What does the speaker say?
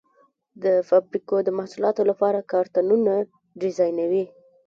د فابریکو د محصولاتو لپاره کارتنونه ډیزاینوي.